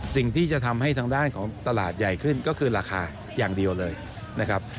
สิ่งที่จะทำให้ทางด้านของตลาดใหญ่ขึ้นก็คือราคาอย่างเดียวเลยนะครับ